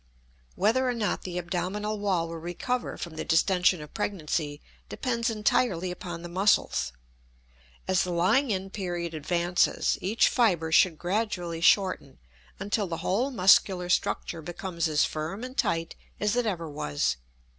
Whether or not the abdominal wall will recover from the distention of pregnancy depends entirely upon the muscles. As the lying in period advances each fiber should gradually shorten until the whole muscular structure becomes as firm and tight as it ever was.